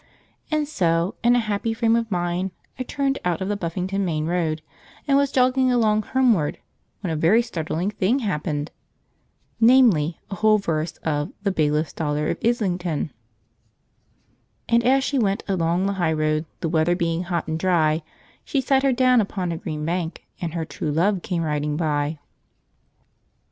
And so, in a happy frame of mind, I turned out of the Buffington main street, and was jogging along homeward, when a very startling thing happened; namely, a whole verse of the Bailiff's Daughter of Islington: "And as she went along the high road, The weather being hot and dry, She sat her down upon a green bank, And her true love came riding by."